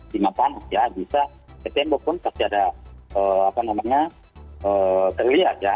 cuma panas ya bisa ketembok pun pasti ada apa namanya terlihat ya